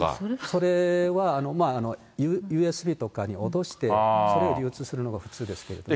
それはＵＳＢとかに落として、それを流通するのが普通ですけどね。